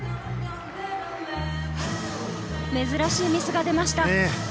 珍しいミスが出ました。